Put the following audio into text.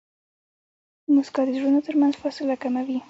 موسکا د زړونو ترمنځ فاصله کموي.